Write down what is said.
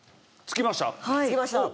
付きました。